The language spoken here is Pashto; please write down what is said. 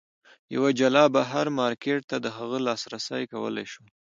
یوه جلا بهر مارکېټ ته د هغوی لاسرسی کولای شول.